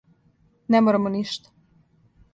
Не морамо ништа.